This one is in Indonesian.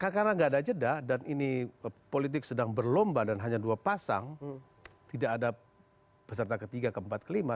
karena nggak ada jeda dan ini politik sedang berlomba dan hanya dua pasang tidak ada peserta ketiga keempat kelima